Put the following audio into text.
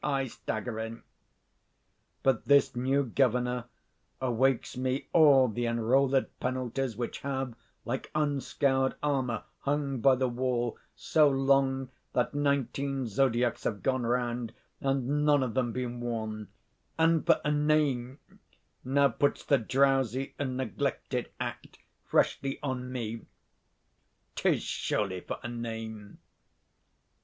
I stagger in: but this new governor Awakes me all the enrolled penalties Which have, like unscour'd armour, hung by the wall So long, that nineteen zodiacs have gone round, And none of them been worn; and, for a name, Now puts the drowsy and neglected act Freshly on me: 'tis surely for a name.